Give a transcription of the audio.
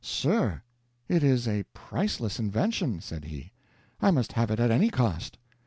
"Sir, it is a priceless invention," said he; "I must have it at any cost."